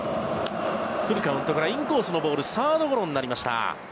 フルカウントからインコースのボールサードゴロになりました。